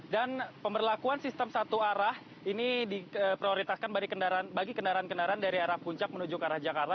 dan pemerlakuan sistem satu arah ini diprioritaskan bagi kendaraan kendaraan dari arah puncak menuju ke arah jakarta